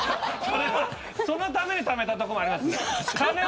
そのために、ためたところありますから。